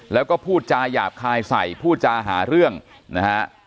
แล้วก็พูดจาหยาบคายใส่พูดจาหาเรื่องนะฮะ